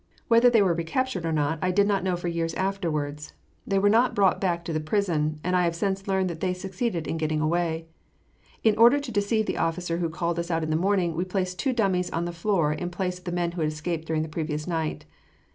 Whether they were recaptured or not I did not know for years afterwards. They were not brought back to the prison, and I have since learned that they succeeded in getting away. In order to deceive the officer who called us out in the morning, we placed two dummies on the floor in place of the men who had escaped during the previous night.